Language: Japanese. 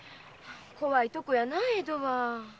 怖いとこやな江戸は。